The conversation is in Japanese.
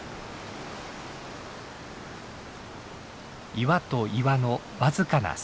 岩と岩の僅かな隙間。